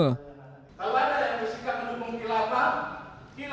bukan mendukung negara lain di luar negara indonesia